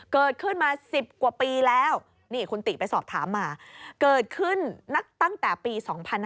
เกิดขึ้นมา๑๐กว่าปีแล้วนี่คุณติไปสอบถามมาเกิดขึ้นตั้งแต่ปี๒๕๕๙